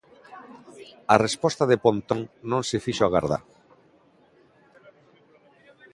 A resposta de Pontón non se fixo agardar.